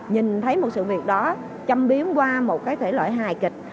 nhìn thấy một sự việc đó chăm biến qua một cái thể loại hài kịch